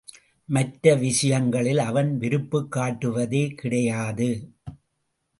மற்ற விஷயங்களில் அவன் விருப்புக் காட்டுவதே கிடையாது.